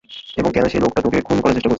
এবং কেন সেই লোকটা তোকে খুন করার চেষ্টা করছে?